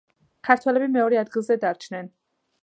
ქართველები მეორე ადგილზე დარჩნენ.